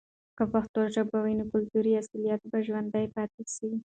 که پښتو ژبه وي، نو کلتوری اصالت به ژوندۍ پاتې سي.